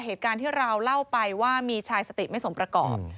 เหตุการณ์ที่เราเล่าไปว่ามีชายสติไม่สมประกอบ